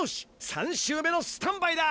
３周目のスタンバイだ！